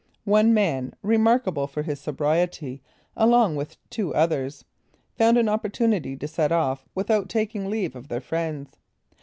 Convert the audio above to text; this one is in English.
One man, remarkable for his sobriety, along with two others, found an opportunity to set off without taking leave of their friends.